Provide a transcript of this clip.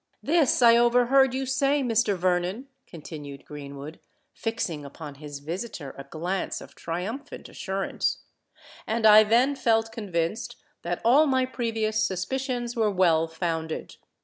This I overheard you say, Mr. Vernon," continued Greenwood, fixing upon his visitor a glance of triumphant assurance; "and I then felt convinced that all my previous suspicions were well founded!